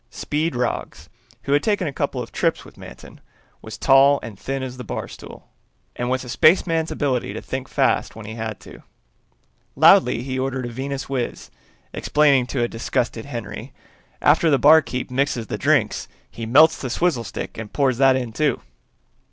Speed Roggs, who had taken a couple of trips with Manton, was tall and thin as the barstool, and with a spaceman's ability to think fast when he had to. Loudly he ordered a Venuswiz, explaining to a disgusted Henry, "After the barkeep mixes the drink he melts the swizzle stick and pours that in, too."